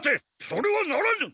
それはならぬ！